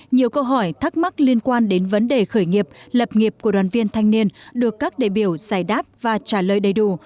nhiều câu hỏi thắc mắc liên quan đến vấn đề khởi nghiệp lập nghiệp của đoàn viên thanh niên được các đề biểu giải đáp và trả lời đầy đủ